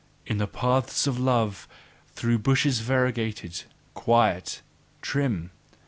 In the paths of love, through bushes variegated, quiet, trim!